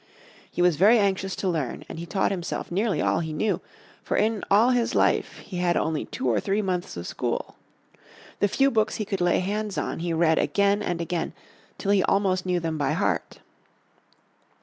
He was very anxious to learn, and he taught himself nearly all he knew, for in all his life he had only two or three months of school. The few books he could lay hands on he read again and again till he almost knew them by heart.